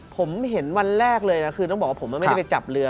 ผมเห็นวันแรกเลยนะคือต้องบอกว่าผมไม่ได้ไปจับเรือ